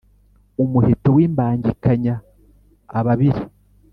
Umuheto w’imbangikanya ababiri